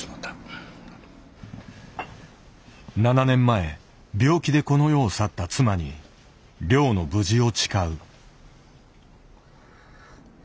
７年前病気でこの世を去った妻に猟の無事を誓う。